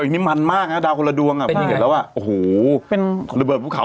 มิมันมากน่ะดาวคนละดวงอ่ะ